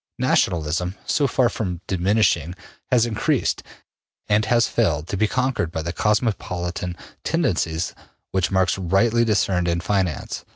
Nationalism, so far from diminishing, has increased, and has failed to be conquered by the cosmopolitan tendencies which Marx rightly discerned in finance.